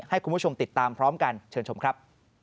ให้คุณผู้ชมติดตามพร้อมกันเชิญชมครับ